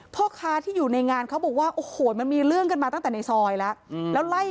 พ่อค้าที่อยู่ในงานเขาบอกว่าโอ้โหมันมีเรื่องกันมาตั้งแต่ในซอยแล้วแล้วไล่